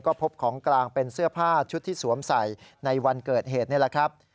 ก็พบของกลางเป็นเสื้อผ้าชุดที่สวมใส่ในวันเกิดเหตุนี่แหละครับ